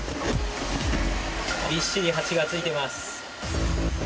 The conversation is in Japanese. びっしり蜂がついてます。